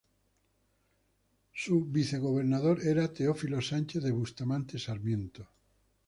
Su vicegobernador era Teófilo Sánchez de Bustamante Sarmiento.